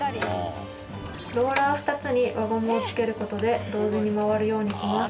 ローラー２つに輪ゴムをつける事で同時に回るようにします。